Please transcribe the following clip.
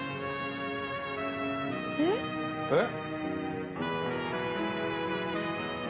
えっ？えっ？